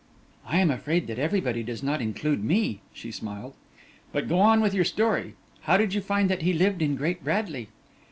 "I am afraid that everybody does not include me," she smiled, "but go on with your story; how did you find that he lived in Great Bradley?"